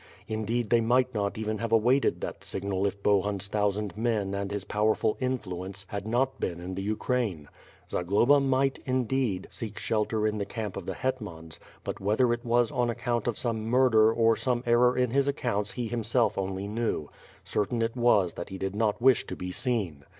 Indeed, they might not even have awaited that signal if Bohun's thousand men and his powerful influence had not been in the Ukraine. Zagloba might, in deed, seek shelter in the camp of the hetmans, but whether it was on account of some murder or some error in his ac counts he himself only knew; certain it was that he did not wish to be seen.